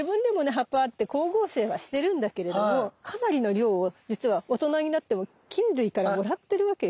葉っぱあって光合成はしてるんだけれどもかなりの量をじつは大人になっても菌類からもらってるわけよ。